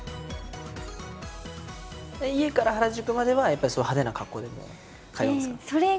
家から原宿まではやっぱりそういう派手な格好で通うんですか？